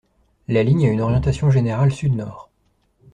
La ligne a une orientation générale sud-nord.